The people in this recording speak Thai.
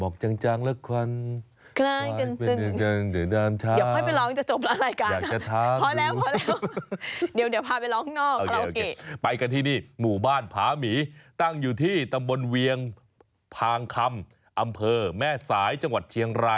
ไก่ย่างไก่ย่างมาแล้วจ้า